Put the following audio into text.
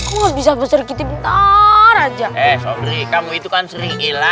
enggak boleh nggak bisa